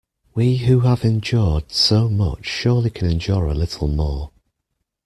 We who have endured so much surely can endure a little more.